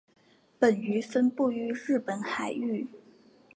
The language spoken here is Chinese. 本鱼分布于日本海域。